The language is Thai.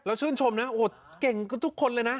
แล้วชื่นชมนะโอ้โหเก่งทุกคนเลยนะ